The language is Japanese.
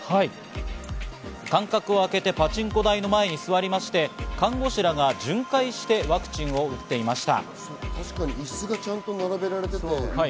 間隔をあけてパチンコ台の前に座りまして看護師らが巡回してワクチンを打っていました。